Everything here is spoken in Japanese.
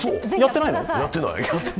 やってない！